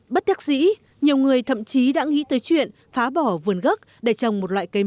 bất đắc dĩ nhiều người thậm chí đã nghĩ tới chuyện phá bỏ vườn gốc để trồng một loại cây